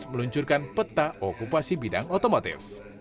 untuk menciptakan peta okupasi bidang otomotif